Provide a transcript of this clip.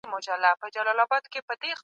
سياستوال هڅه کوي چي پر نورو نفوذ وکړي.